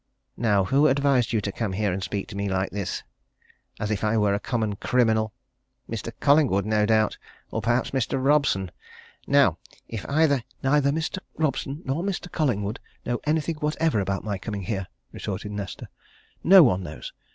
Now who advised you to come here and speak to me like this, as if I were a common criminal? Mr. Collingwood, no doubt? Or perhaps Mr. Robson? Now if either " "Neither Mr. Robson nor Mr. Collingwood know anything whatever about my coming here!" retorted Nesta. "No one knows!